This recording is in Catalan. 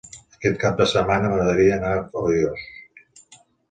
Aquest cap de setmana m'agradaria anar a Foios.